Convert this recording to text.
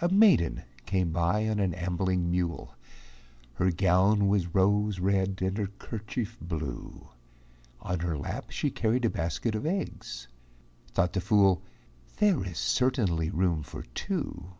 A maiden came by on an ambling mule, Her gown was rose red and her kerchief blue, On her lap she carried a basket of eggs. Thought the fool, "There is certainly room for two."